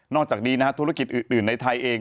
นอกจากนี้ธุรกิจอื่นในไทยเอง